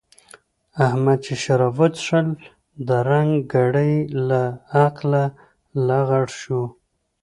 احمد چې شراب وڅښل؛ درنګ ګړۍ له عقله لغړ شو.